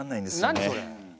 何それ。